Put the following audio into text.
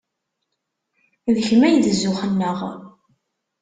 D kemm ay d zzux-nneɣ.